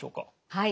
はい。